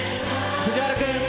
藤原君。